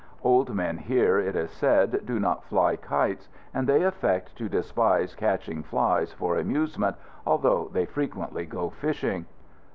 Old men here, it is said, do not fly kites, and they affect to despise catching flies for amusement, although they frequently go fishing.